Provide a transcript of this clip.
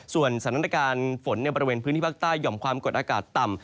ส่วนสถานการณ์ฝนในบริเวณพื้นที่ภาคใต้ห่อมความกดอากาศต่ำ